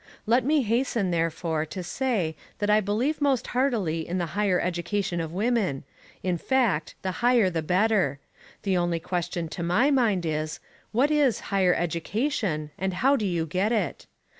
Let me hasten, therefore, to say that I believe most heartily in the higher education of women; in fact, the higher the better. The only question to my mind is: What is "higher education" and how do you get it?